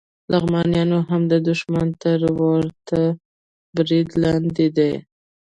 لغمانیان هم د دښمن تر ورته برید لاندې دي